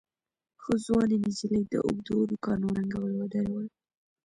خو ځوانې نجلۍ د اوږدو نوکانو رنګول ودرول.